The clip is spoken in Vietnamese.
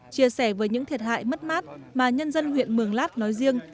chia sẻ với những thiệt hại mất mát mà nhân dân huyện mường lát nói riêng